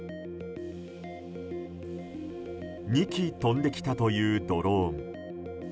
２機飛んできたというドローン。